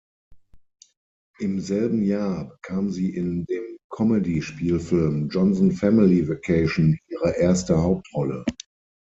Im selben Jahr bekam sie in dem Comedy-Spielfilm "Johnson Family Vacation" ihre erste Hauptrolle.